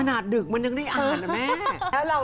ดึกมันยังได้อ่านนะแม่